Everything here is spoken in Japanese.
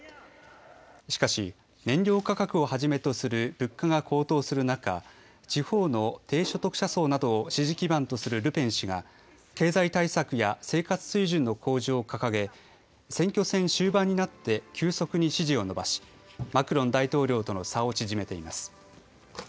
しかし、燃料価格をはじめとする物価が高騰する中、地方の低所得者数などを支持基盤とするルペン氏が、経済対策や生活水準の向上を掲げ、選挙戦終盤になって急速に支持を伸ばし、マクロン大統領との差を縮めています。